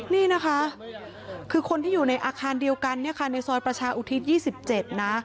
นี่นะคะคือคนที่อยู่ในอาคารเดียวกันเนี่ยค่ะในซอยประชาอุทิศ๒๗นะ